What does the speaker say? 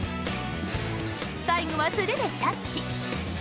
最後は素手でキャッチ。